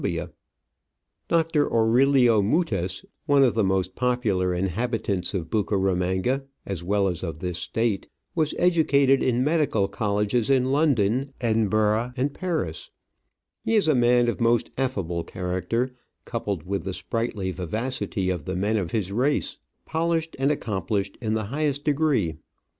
Digitized by V:iOOQIC OF AN Orchid Hunter, 109 Doctor Aurelio Mutis, one of the most popular inhabitants of Bucaramanga, as well as of this State, was educated in medical colleges in London, Edin burgh, and Paris. He is a man of most affable character, coupled with the sprightly vivacity of the DOCTOR AURELIO MUTIS. men of his race, polished and accomplished in the highest degree.